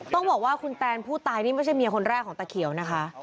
ต้องบอกว่าคุณแตนผู้ตายนี่ไม่ใช่เมียคนแรกของตาเขียวนะคะ